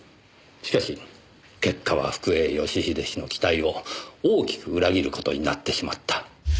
しかし結果は福栄義英氏の期待を大きく裏切る事になってしまった。